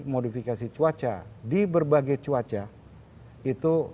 modifikasi cuaca di berbagai cuaca itu